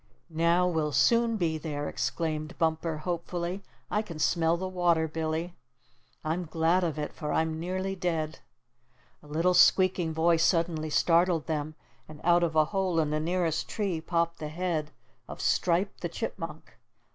"Now we'll soon be there!" exclaimed Bumper hopefully. "I can smell the water, Billy." "I'm glad of it, for I'm nearly dead." A little squeaking voice suddenly startled them, and out of a hole in the nearest tree popped the head of Stripe the Chipmunk.